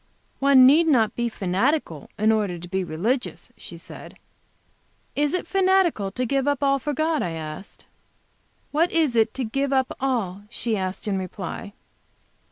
"One need not be fanatical in order to be religious," she said. "Is it fanatical to give up all for God?" I asked. "What is it to give up all?" she asked, in reply.